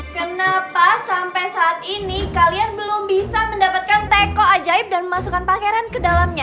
kenapa sampai saat ini kalian belum bisa mendapatkan teko ajaib dan memasukkan pakaian ke dalamnya